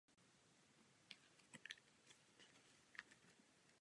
Naučnou stezku tvoří čtyři okruhy.